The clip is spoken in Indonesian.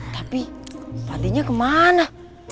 tapi balinya kemana